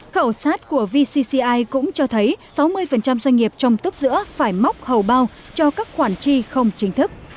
khẩu sát của vcci cũng cho thấy sáu mươi doanh nghiệp trong túp giữa phải móc hầu bao cho các khoản chi không chính thức